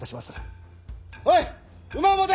おい馬を持て！